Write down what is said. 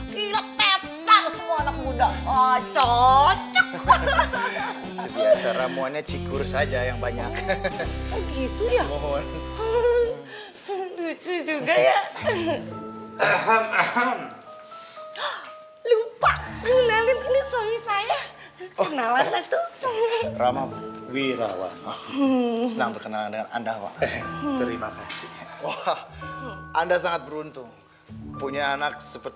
gila tetan semua anak muda cocok hahaha ramuannya cikur saja yang banyak gitu ya